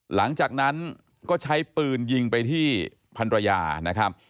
หลังจากนั้นก็ใช้ปืนยิงไปที่พันรยานะครับ